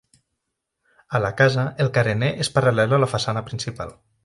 A la casa el carener és paral·lel a la façana principal.